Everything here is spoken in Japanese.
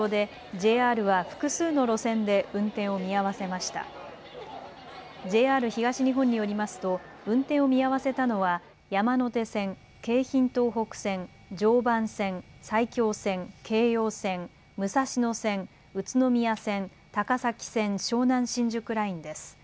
ＪＲ東日本によりますと運転を見合わせたのは山手線、京浜東北線、常磐線、埼京線、京葉線、武蔵野線、宇都宮線、高崎線、湘南新宿ラインです。